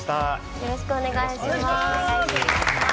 よろしくお願いします。